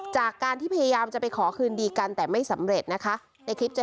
จากการที่พยายามจะไปขอคืนดีกันแต่ไม่สำเร็จนะคะในคลิปจะ